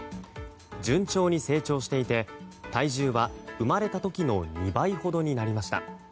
順調に成長していて体重は生まれた時の２倍ほどになりました。